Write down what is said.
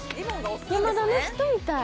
山田の人みたい。